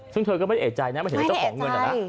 ซึ่งเธอก็ไม่ได้แอดใจนะไม่ได้แอดใจ